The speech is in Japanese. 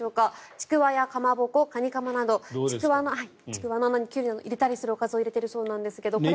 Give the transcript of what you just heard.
ちくわやかまぼこかにかまなどちくわの穴にキュウリを入れたりするおかずを入れていますが。